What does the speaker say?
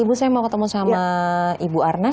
ibu saya mau ketemu sama ibu arnas